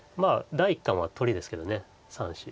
第一感は取りですけど３子。